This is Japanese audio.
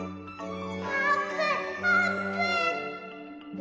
あーぷんあーぷん。